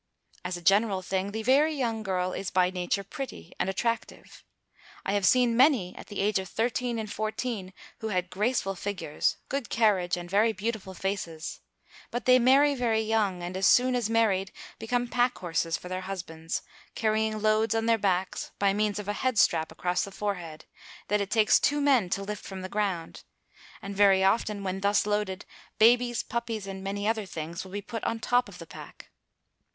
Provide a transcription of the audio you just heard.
As a general thing, the very young girl is by nature pretty and attractive. I have seen many at the age of thirteen and fourteen who had graceful figures, good carriage, and very beautiful faces; but they marry very young, and as soon as married become pack horses for their husbands, carrying loads on their backs, by means of a head strap across the forehead, that it takes two men to lift from the ground, and very often when thus loaded babies, puppies, and many other things, will be put on top of the pack.